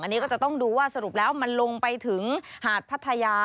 อันนี้ก็จะต้องดูว่าสรุปแล้วมันลงไปถึงหาดพัทยา